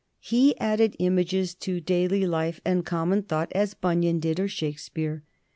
He added images to daily life and common thought as Bunyan did or Shakespeare.